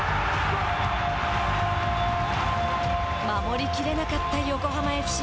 守り切れなかった横浜ＦＣ。